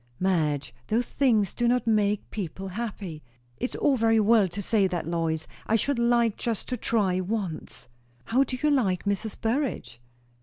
"Madge, those things do not make people happy." "It's all very well to say so, Lois. I should like just to try once." "How do you like Mrs. Burrage?"